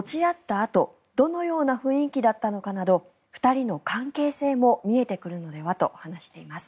あとどのような雰囲気だったのかなど２人の関係性も見えてくるのではと話しています。